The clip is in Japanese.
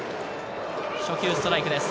初球、ストライクです。